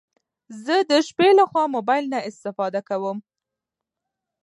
زه د شپې لخوا موبايل نه استفاده کوم